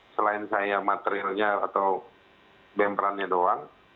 selain saya materialnya atau bemperannya doang